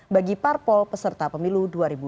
bagi parpol peserta pemilu dua ribu sembilan belas